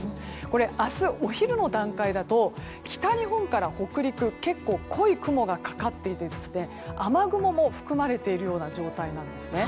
これ明日、お昼の段階だと北日本から北陸は結構、濃い雲がかかっていて雨雲も含まれているような状態なんですね。